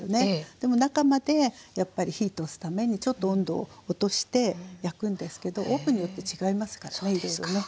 でも中までやっぱり火通すためにちょっと温度を落として焼くんですけどオーブンによって違いますからねいろいろね。